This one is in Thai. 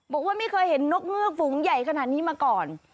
บอกว่าไม่เคยเห็นนกเงือกฝูงใหญ่ขนาดนี้มาก่อน